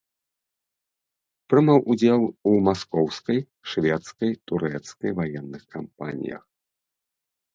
Прымаў удзел у маскоўскай, шведскай, турэцкай ваенных кампаніях.